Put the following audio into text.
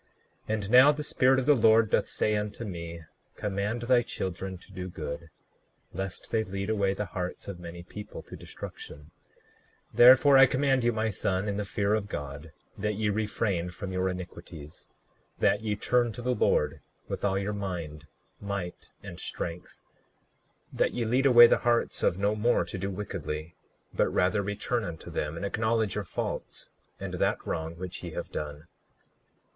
39:12 And now the Spirit of the Lord doth say unto me: Command thy children to do good, lest they lead away the hearts of many people to destruction; therefore I command you, my son, in the fear of God, that ye refrain from your iniquities; 39:13 That ye turn to the Lord with all your mind, might, and strength; that ye lead away the hearts of no more to do wickedly; but rather return unto them, and acknowledge your faults and that wrong which ye have done.